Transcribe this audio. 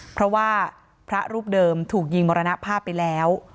เพราะว่าพระรูปเดิมถูกยิงมรณภาพไปแล้ว